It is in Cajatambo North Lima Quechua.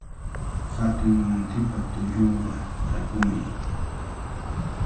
Hatun muntipa tullunqa rakumi.